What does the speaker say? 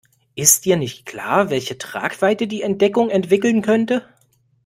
Ist dir nicht klar, welche Tragweite die Entdeckung entwickeln könnte?